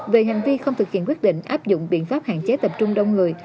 về hành vi không thực hiện quyết định áp dụng biện pháp hạn chế tập trung đông người